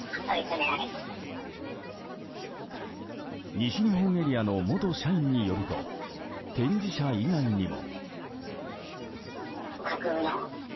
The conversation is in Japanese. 西日本エリアの元社員によると展示車以外にも。